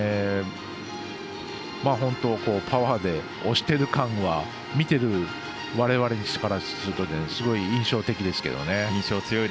本当、パワーで押してる感は見てるわれわれからするとすごい印象的ですけどね。